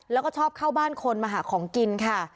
แล้วก็ชอบเข้าบ้านคนมาหาของกินค่ะ